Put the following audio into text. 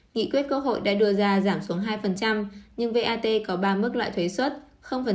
nghị quyết cơ hội đã đưa ra giảm xuống hai nhưng vat có ba mức loại thuế xuất năm và một mươi